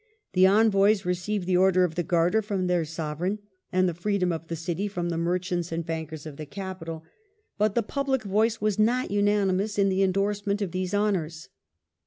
The envoys received the Order of the Garter from their Sovereign and the Freedom of the City from the merchants and bankers of the capital. But the public voice was not unanimous in the endorsement of these honours.